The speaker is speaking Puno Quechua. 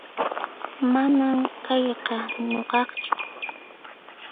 Manan kayqa nuqaqchu